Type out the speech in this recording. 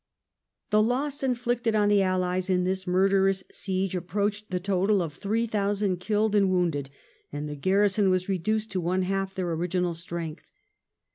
The loss inflicted on the Allies in this murderous siege approached the total of three thousand killed and woimded, and the garrison were reduced to one half their original strength.